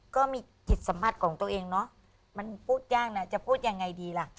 ก็มีจิตสัมผัสของตัวเองเนาะมันพูดยากนะจะพูดยังไงดีล่ะ